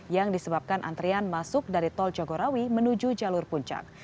yang disebabkan antrian masuk dari tol jagorawi menuju jalur puncak